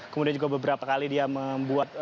kemudian juga beberapa kali dia membuat